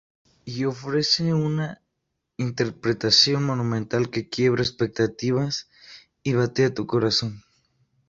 Y ofrece una interpretación monumental, que quiebra expectativas y batea tú corazón".